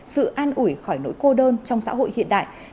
sự an ủi khỏi nỗi cô đơn trong xã hội hiện đại